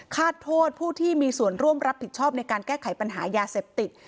ฆาตโทษผู้ที่มีส่วนร่วมรับผิดชอบในการแก้ไขปัญหายาเสพติด